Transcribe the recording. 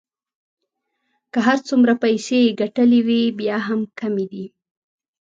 که هر څومره پیسې يې ګټلې وې بیا هم کمې دي.